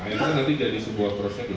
nah itu nanti jadi sebuah prosedur